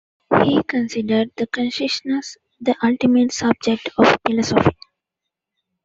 He considered the consciousness the ultimate subject of philosophy.